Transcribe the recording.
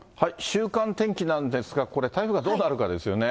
週間天気なんですが、これ、台風がどうなるかですよね。